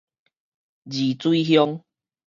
二水鄉